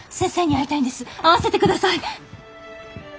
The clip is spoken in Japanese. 会わせて下さい！